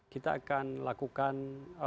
kita akan lakukan